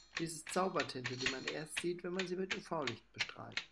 Dies ist Zaubertinte, die man erst sieht, wenn man sie mit UV-Licht bestrahlt.